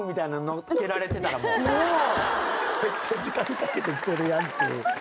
めっちゃ時間かけてきてるやんていう。